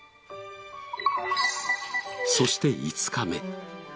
そして５日目。